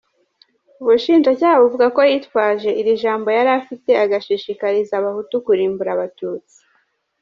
Ubushinjacyaha buvuga ko yitwaje iri jambo yari afite agashioshikariza abahutu kurimbura abatutsi .